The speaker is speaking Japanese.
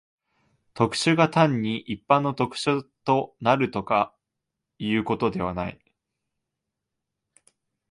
特殊が単に一般の特殊となるとかいうことではない。